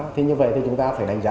thế như vậy thì chúng ta phải đánh giá